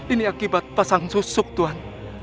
ini akibat pasang susuk tuhan